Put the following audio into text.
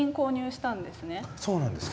そうなんですか。